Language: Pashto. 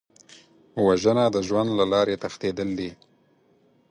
وژنه د ژوند له لارې تښتېدل دي